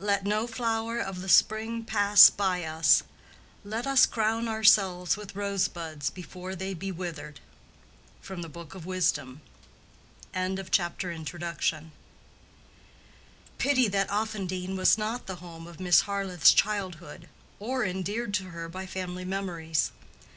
"Let no flower of the spring pass by us; let us crown ourselves with rosebuds before they be withered."—BOOK OF WISDOM. Pity that Offendene was not the home of Miss Harleth's childhood, or endeared to her by family memories!